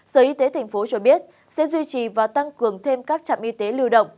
sở y tế tp cho biết sẽ duy trì và tăng cường thêm các trạm y tế lưu động